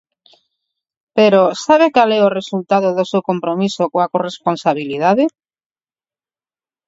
Pero ¿sabe cal é o resultado do seu compromiso coa corresponsabilidade?